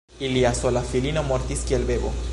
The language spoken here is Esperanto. Ilia sola filino mortis kiel bebo.